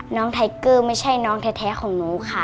ไทเกอร์ไม่ใช่น้องแท้ของหนูค่ะ